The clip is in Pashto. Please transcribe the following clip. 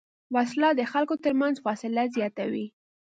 وسله د خلکو تر منځ فاصله زیاتوي